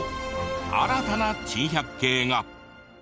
新たな珍百景が。